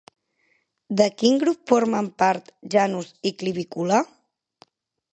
De quin grup formen part Janus i Clivicula?